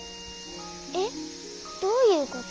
えっどういうこと？